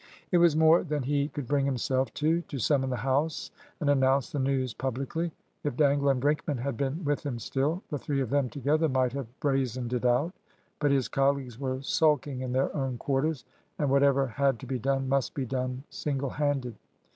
It was more than he could bring himself to, to summon the house and announce the news publicly. If Dangle and Brinkman had been with him still, the three of them together might have brazened it out. But his colleagues were sulking in their own quarters, and whatever had to be done must be done singlehanded.